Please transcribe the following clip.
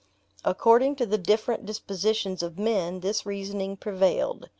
According to the different dispositions of men, this reasoning prevailed.